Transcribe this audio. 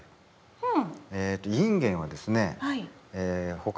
うん。